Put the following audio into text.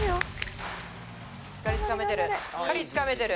しっかりつかめてる。